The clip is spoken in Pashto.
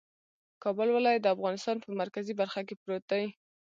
کابل ولایت د افغانستان په مرکزي برخه کې پروت دی